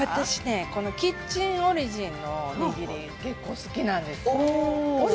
私ね、このキッチンオリジンのおにぎり、結構好きなんです。